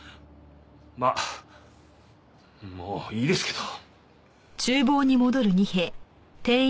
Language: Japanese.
まあもういいですけど。